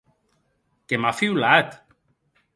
Que m'a fiulat!